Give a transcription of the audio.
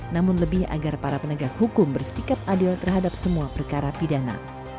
namun lebih agar para penegak hukum bersikap adil terhadap semua perkara pidana